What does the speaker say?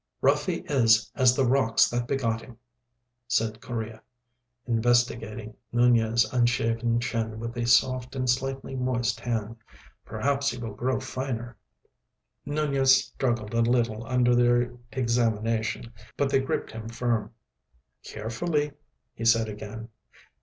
"Rough he is as the rocks that begot him," said Correa, investigating Nunez's unshaven chin with a soft and slightly moist hand. "Perhaps he will grow finer." Nunez struggled a little under their examination, but they gripped him firm. "Carefully," he said again.